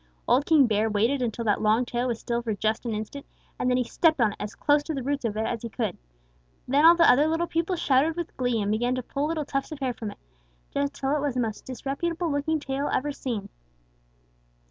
Old King Bear waited until that long tail was still for just an instant, and then he stepped on it as close to the roots of it as he could. Then all the other little people shouted with glee and began to pull little tufts of hair from it, until it was the most disreputable looking tail ever seen.